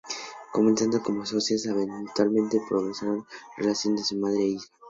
Comenzando como socias y eventualmente progresar a una relación de madre-hija.